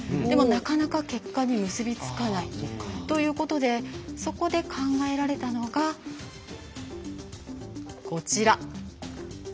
でも、なかなか結果に結びつかないということでそこで考えられたのが、こちら。